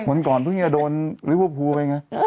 วันก่อนพรุ่งนี้โดนหรือว่าพูดไปไง